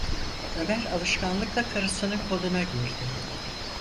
Ömer alışkanlıkla karısının koluna girdi.